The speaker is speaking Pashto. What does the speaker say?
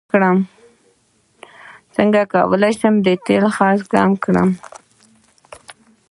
څنګه کولی شم د تیلو خرڅ کم کړم